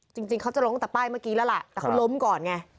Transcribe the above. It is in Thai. จริงเขาจะล้มตั้งแต่ป้ายเมื่อกี้แล้วล่ะแต่เขาล้มก่อนไง